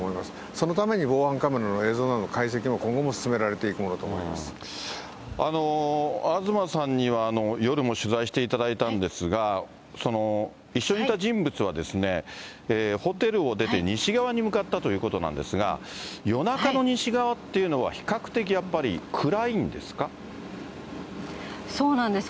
そのために防犯カメラの映像などの解析も今後も進められていくも東さんには、夜も取材していただいたんですが、一緒にいた人物は、ホテルを出て西側に向かったということなんですが、夜中の西側っていうのは、そうなんです。